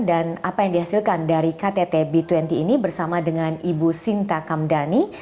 dan apa yang dihasilkan dari ktt b dua puluh ini bersama dengan ibu sinta kamdani